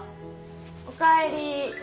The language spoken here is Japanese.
おかえり。